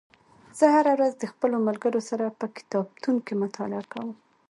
زه هره ورځ د خپلو ملګرو سره په کتابتون کې مطالعه کوم